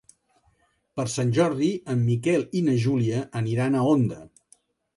Per Sant Jordi en Miquel i na Júlia aniran a Onda.